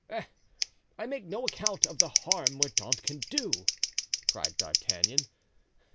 "Eh! I make no account of the harm Mordaunt can do!" cried D'Artagnan.